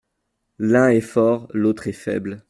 L’un est fort, l’autre est faible.